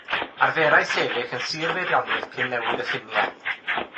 Arferai sefyll yn Sir Feirionnydd cyn newid y ffiniau.